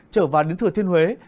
trở vào đến thừa thiên huế